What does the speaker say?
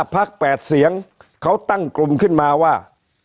พัก๘เสียงเขาตั้งกลุ่มขึ้นมาว่า